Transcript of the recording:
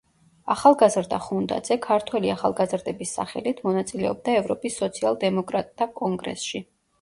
ახალგაზრდა ხუნდაძე, ქართველი ახალგაზრდების სახელით, მონაწილეობდა ევროპის სოციალ–დემოკრატთა კონგრესში.